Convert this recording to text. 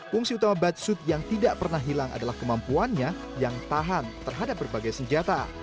fungsi utama batsuit yang tidak pernah hilang adalah kemampuannya yang tahan terhadap berbagai senjata